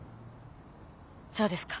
そうですか。